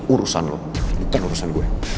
urusan lo bukan urusan gue